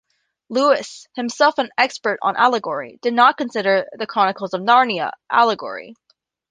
Lewis, himself an expert on allegory, did not consider "The Chronicles of Narnia" allegory.